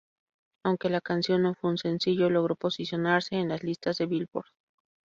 Aunque la canción no fue un sencillo, logró posicionarse en las listas de "Billboard".